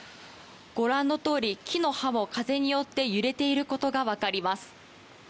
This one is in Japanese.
ご覧のとおり木の葉も風により揺れていることが分かります。